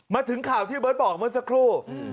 มาถึงข่าวที่เบิร์ตบอกเมื่อสักครู่